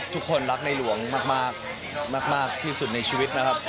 ทุกคนรักในหลวงมากที่สุดในชีวิตนะครับ